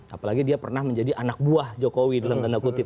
apalagi dia pernah menjadi anak buah jokowi